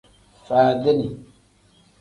Faadini.